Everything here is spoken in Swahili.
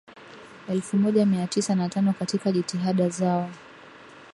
Elfumoja miatisa na tano Katika jitihada zao